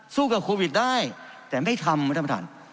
สู้กับโควิดได้แต่ไม่ทำท่านประธาน